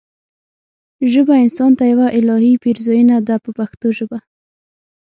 ژبه انسان ته یوه الهي پیرزوینه ده په پښتو ژبه.